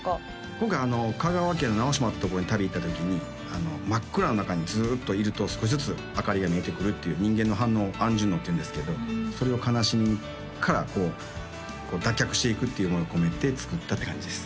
今回香川県の直島ってとこに旅行った時に真っ暗の中にずっといると少しずつ明かりが見えてくるっていう人間の反応を暗順応っていうんですけどそれを悲しみから脱却していくっていうものを込めて作ったって感じです